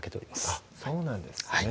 あっそうなんですね